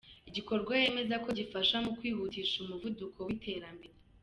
Igikorwa yemeza ko gifasha mu kwihutisha umuvuduko w’ iterambere.